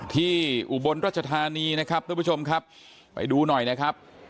อุบลรัชธานีนะครับทุกผู้ชมครับไปดูหน่อยนะครับ